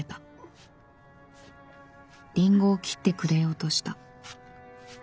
りんごを切ってくれようとした。